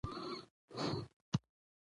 په لږ لوړ اواز سره